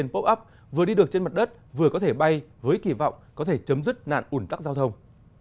pop up vừa đi được trên mặt đất vừa có thể bay với kỳ vọng có thể chấm dứt nạn ủn tắc giao thông